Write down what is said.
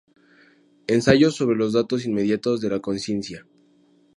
Ensayos sobre los datos inmediatos de la conciencia.